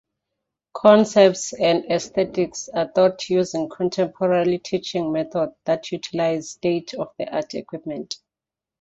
Concepts and aesthetics are taught using contemporary teaching methods that utilize state-of-the-art equipment.